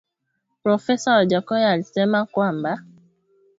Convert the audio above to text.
profesa Wajackoya alisema kwamba